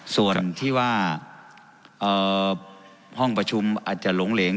ส่วนที่ว่าห้องประชุมอาจจะหลงเหลง